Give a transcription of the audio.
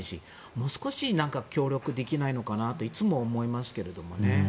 もう少し協力できないのかなといつも思いますけどね。